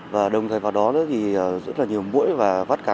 và đồng thời vào đó rất là nhiều mũi và vắt cắn